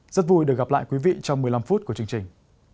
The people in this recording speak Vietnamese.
rất vui được gặp lại quý vị trong một mươi năm phút của chương trình